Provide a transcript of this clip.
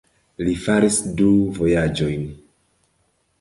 Li faris du vojaĝojn.